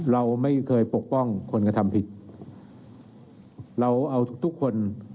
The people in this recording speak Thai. เราไม่เคยปกป้องคนกระทำผิดเราเอาทุกทุกคน